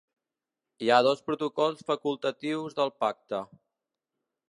Hi ha dos protocols facultatius del pacte.